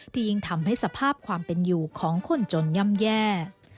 ยิ่งทำให้สภาพความเป็นอยู่ของคนจนย่ำแย่